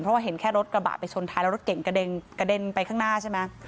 เพราะว่าเห็นแค่รถกระบะไปชนท้ายแล้วรถเก่งกระเด็นไปข้างหน้าใช่ไหม